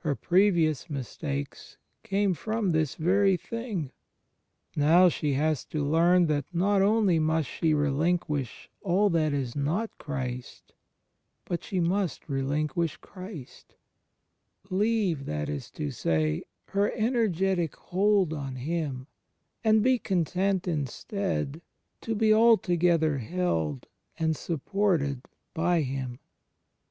Her previous mistakes came from this very thing; now she has to learn that not only must she relinquish all that is not Christ, but she mtist relinquish Christ — leave, that is to say, her energetic hold on Him, and be content, instead, to be altogether held and supported by Him.